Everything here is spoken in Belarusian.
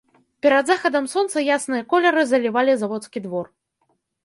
Перад захадам сонца ясныя колеры залівалі заводскі двор.